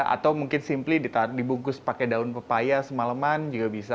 atau mungkin simply dibungkus pakai daun pepaya semaleman juga bisa